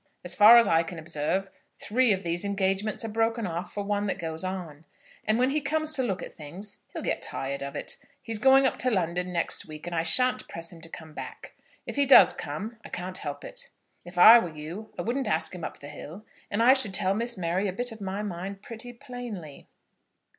As far as I can observe, three of these engagements are broken off for one that goes on. And when he comes to look at things he'll get tired of it. He's going up to London next week, and I shan't press him to come back. If he does come I can't help it. If I were you, I wouldn't ask him up the hill, and I should tell Miss Mary a bit of my mind pretty plainly."